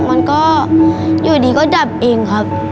มันก็อยู่ดีก็ดับเองครับ